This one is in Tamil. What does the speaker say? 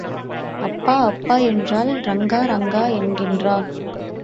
அப்பா அப்பா என்றால், ரங்கா ரங்கா என்கிறான்.